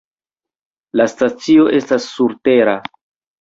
La stacio estas surtera.